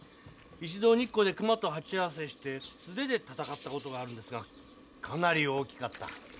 一度日光で熊と鉢合わせして素手で戦った事があるんですがかなり大きかった。